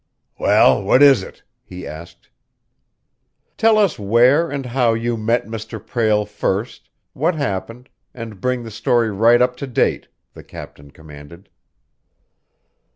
"Well, what is it?" he asked. "Tell us where and how you met Mr. Prale first, what happened, and bring the story right up to date," the captain commanded.